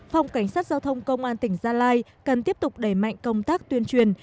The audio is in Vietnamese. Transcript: phòng cảnh sát giao thông công an tỉnh gia lai cần tiếp tục đẩy mạnh công tác tuyên truyền